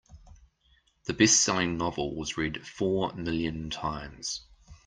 The bestselling novel was read four million times.